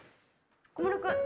小室君。